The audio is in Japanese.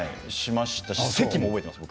席も覚えていますよ。